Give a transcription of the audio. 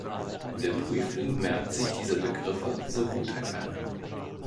Der Prüfling merkt sich diese Begriffe, so gut er kann.